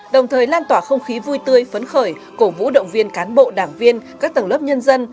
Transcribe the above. đồng thời lan tỏa không khí vui tươi phấn khởi cổ vũ động viên cán bộ đảng viên các tầng lớp nhân dân